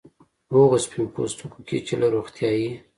هغو سپین پوستکو کې چې له روغتیايي